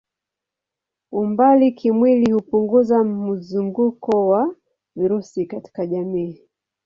Umbali kimwili hupunguza mzunguko wa virusi katika jamii.